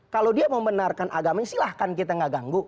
kalau dia membenarkan agamanya silahkan kita nggak ganggu